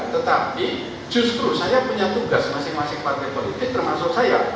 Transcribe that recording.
tetapi justru saya punya tugas masing masing partai politik termasuk saya